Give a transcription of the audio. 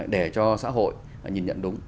để cho xã hội nhìn nhận đúng